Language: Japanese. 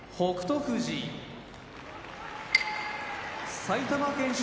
富士埼玉県出身